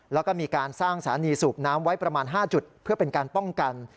แล้วก็มีการสร้างสถานีสูบน้ำไว้ประมาณ๕จุดเพื่อเป็นการป้องกัน